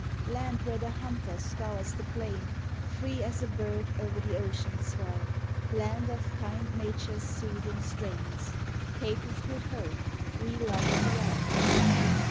Land where the hunter scours the plains, Free as a bird o'er the ocean's swell; Land of kind nature's soothing strains, Cape of Good Hope, we love thee well.